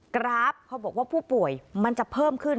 กราฟเขาบอกว่าผู้ป่วยมันจะเพิ่มขึ้น